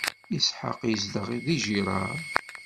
Isḥaq izdeɣ di Girar.